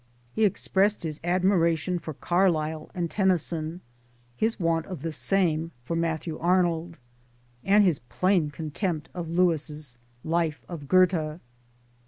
He expressed his ad miration for Carlyle and Tennyson ; his want of the same for Matthew Arnold ; and his plain con tempt of Lewes' Life of Goethe.